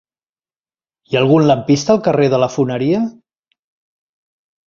Hi ha algun lampista al carrer de la Foneria?